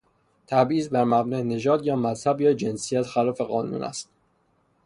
تبعیض بر مبنای نژاد یا مذهب یا جنسیت خلاف قانون است.